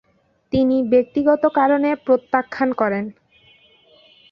তিনি ব্যক্তিগত কারণে প্রত্যাখান করেন।